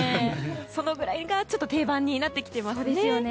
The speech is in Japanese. そのぐらいが定番になってきていますね。